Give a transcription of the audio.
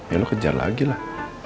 ya lo kejar lagi lah